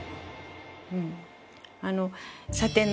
うん。